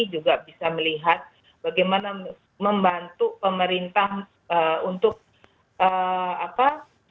juga bisa melihat bagaimana membantu pemerintah untuk apa